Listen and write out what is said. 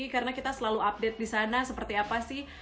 karena kita selalu update di sana seperti apa sih